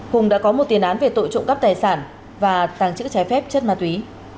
hùng đã có một tiền án về tội trộm cắp tài sản và tàng trữ trái phép chất ma túy